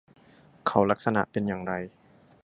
เขาลักษณะเป็นอย่างไร